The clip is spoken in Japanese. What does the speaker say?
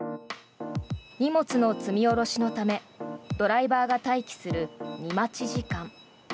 荷物の積み下ろしのためドライバーが待機する荷待ち時間。